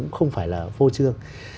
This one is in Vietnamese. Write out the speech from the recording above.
không phải là phô trương